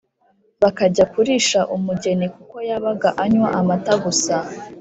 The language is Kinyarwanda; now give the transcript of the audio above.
bakajya kurisha umugeni kuko yabaga anywa amata gusa